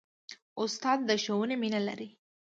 استاد د ښوونې مینه لري.